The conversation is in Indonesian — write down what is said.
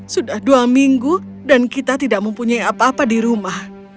sudah dua minggu dan kita tidak mempunyai apa apa di rumah